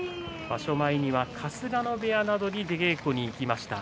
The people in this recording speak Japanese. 場所前には春日野部屋などに出稽古に行きました。